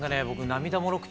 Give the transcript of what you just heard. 涙もろく